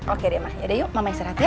oke deh mama yuk mama istirahat ya